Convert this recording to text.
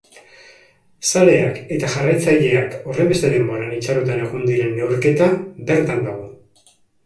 Zaleak eta jarraitzaileak horrenbeste denboran itxaroten egon diren neurketa bertan dago.